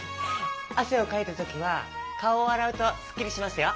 あせをかいたときはかおをあらうとスッキリしますよ。